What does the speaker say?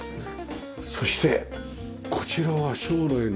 そしてこちらは将来の子供部屋？